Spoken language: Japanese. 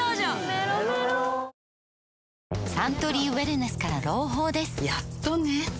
メロメロサントリーウエルネスから朗報ですやっとね